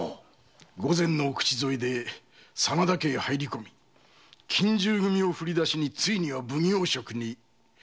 御前のお口添えで真田家に入り込み近習組からついには奉行職に。